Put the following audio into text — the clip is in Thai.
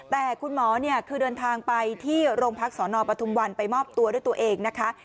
แต่คุณหมอเนี่ยคือเดินทางไปที่โรงพักสนปทุมวันไปมอบตัวด้วยตัวเองนะคะ